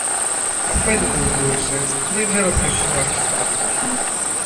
Αφέντη, μουρμούρισε, δεν ξέρω ποιος είναι ο αρχιστράτηγος.